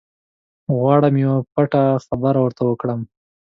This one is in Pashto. غواړم یوه پټه خبره ورته وکړم.